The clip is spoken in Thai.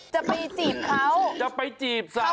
จะไปจีบเขาจะไปจีบสาว